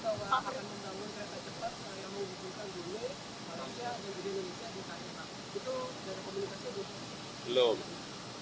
pak presiden ada komunikasi